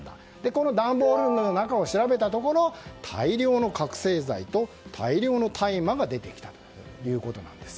この段ボールの中を調べたところ大量の覚醒剤と大量の大麻が出てきたということなんです。